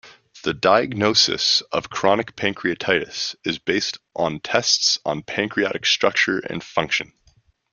The diagnosis of chronic pancreatitis is based on tests on pancreatic structure and function.